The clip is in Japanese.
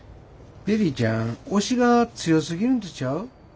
ベリーちゃん押しが強すぎるんとちゃう？